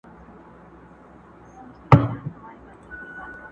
ده آغازه دا وينا په جوش او شور کړه؛